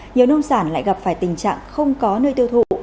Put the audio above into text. nhiều nông sản lại gặp phải tình trạng không có nơi tiêu thụ